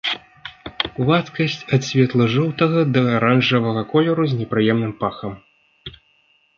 Вадкасць ад светла-жоўтага да аранжавага колеру з непрыемным пахам.